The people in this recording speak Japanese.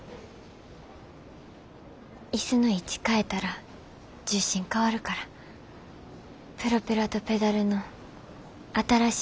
椅子の位置変えたら重心変わるからプロペラとペダルの新しい位置を巡って。